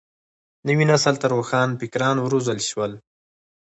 نوي نسل ته روښان فکران وروزل شول.